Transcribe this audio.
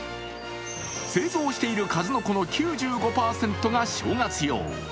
製造している数の子の９５％が正月用。